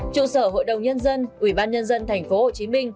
trụ sở hội đồng nhân dân ubnd tp hcm